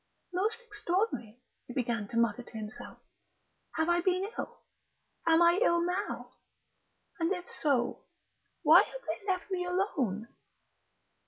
"Most extraordinary!" he began to mutter to himself. "Have I been ill? Am I ill now? And if so, why have they left me alone?...